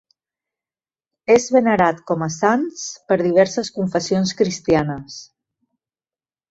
És venerat com a sants per diverses confessions cristianes.